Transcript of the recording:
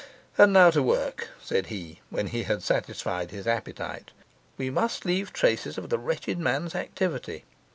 'And now to work,' said he, when he had satisfied his appetite. 'We must leave traces of the wretched man's activity.